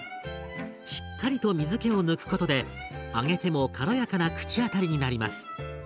しっかりと水けを抜くことで揚げても軽やかな口当たりになります。